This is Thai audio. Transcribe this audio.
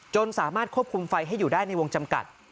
สามารถควบคุมไฟให้อยู่ได้ในวงจำกัด